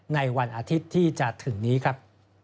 ในวันอาทิตย์ที่จะถึงนี้ครับ